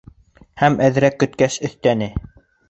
Һәм әҙерәк көткәс өҫтәне: